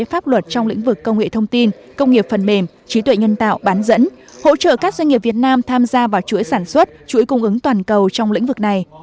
pháp luật trong lĩnh vực công nghệ thông tin công nghiệp phần mềm trí tuệ nhân tạo bán dẫn hỗ trợ các doanh nghiệp việt nam tham gia vào chuỗi sản xuất chuỗi cung ứng toàn cầu trong lĩnh vực này